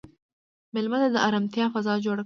مېلمه ته د ارامتیا فضا جوړ کړه.